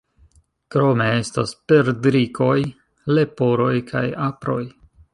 Krome estas perdrikoj, leporoj kaj aproj.